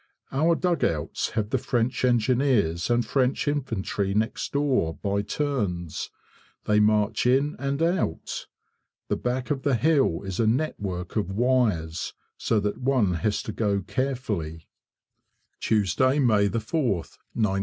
Our dugouts have the French Engineers and French Infantry next door by turns. They march in and out. The back of the hill is a network of wires, so that one has to go carefully. Tuesday, May 4th, 1915.